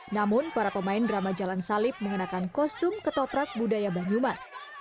namun para pemain drama jalan salib mengenakan kostum ketoprak budaya banyumas